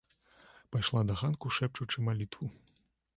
Пайшла да ганка шэпчучы малітву.